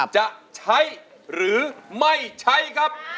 จะใช้หรือไม่ใช้ครับ